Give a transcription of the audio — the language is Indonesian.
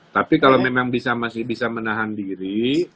tapi kalau memang masih bisa menahan diri